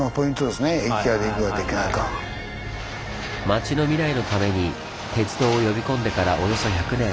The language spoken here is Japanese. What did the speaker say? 町の未来のために鉄道を呼び込んでからおよそ１００年。